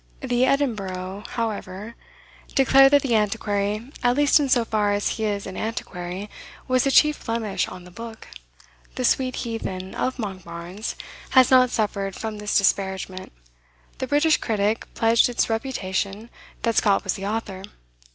The "Edinburgh," however, declared that the Antiquary, "at least in so far as he is an Antiquary," was the chief blemish on the book. The "sweet heathen of Monkbarns" has not suffered from this disparagement. The "British Critic" pledged its reputation that Scott was the author.